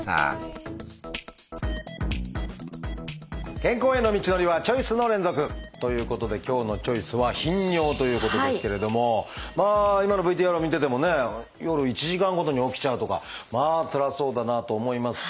健康への道のりはチョイスの連続！ということで今日の「チョイス」はまあ今のＶＴＲを見ててもね夜１時間ごとに起きちゃうとかまあつらそうだなと思いますし。